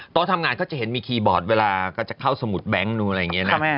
โต๊ะทำงานก็จะเห็นมีคีย์บอร์ดเวลาก็จะเข้าสมุดแบงค์นู้นอะไรอย่างเงี้ยน่ะครับแม่